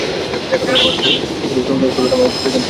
এখানকার মানুষ ছিল মূলত শিকারী ও সংগ্রাহক; তবে এরা মাছ ধরতে জানতো।